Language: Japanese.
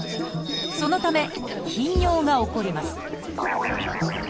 そのため頻尿が起こります